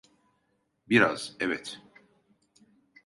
Biraz, evet.